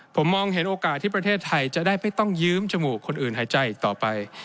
ผมมองเห็นโอกาสที่ประเทศไทยจะได้ไม่ต้องยืมจมูกคนอื่นหายใจอีกต่อไป